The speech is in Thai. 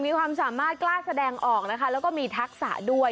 มีความสามารถกล้าแสดงออกและมีทักษะด้วย